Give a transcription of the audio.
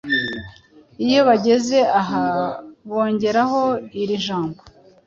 Iyo bageze aha, bongeraho iri jambo: "